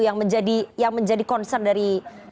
yang menjadi concern dari